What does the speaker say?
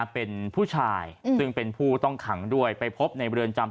เป็นผู้ชายซึ่งเป็นผู้ต้องขังด้วยไปพบในเรือนจำ